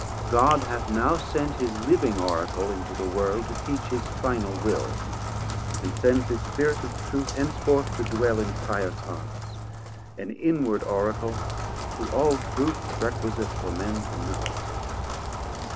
God hath now sent his living Oracle 460 Into the World, to teach his final will, And sends his Spirit of Truth henceforth to dwell In pious Hearts, an inward Oracle To all truth requisite for men to know.